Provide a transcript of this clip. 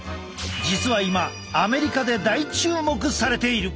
実は今アメリカで大注目されている。